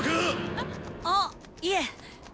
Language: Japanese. えっあっいえ！